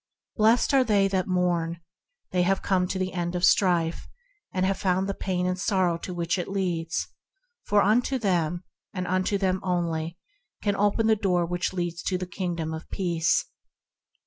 "Blessed are they that mourn" — that have come to the end of strife, and have found the pain and sorrow to which it leads; for unto them and unto them only, can open the door that leads to the Kingdom of Peace.